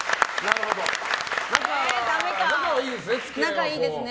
仲いいんですね。